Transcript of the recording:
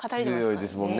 強いですもんね。